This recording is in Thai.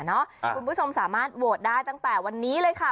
คุณผู้ชมสามารถโหวตได้ตั้งแต่วันนี้เลยค่ะ